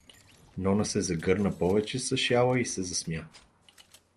Нона се загърна повече с шала и се засмя.